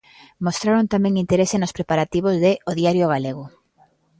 Mostraron tamén interese nos preparativos de "O Diario Galego".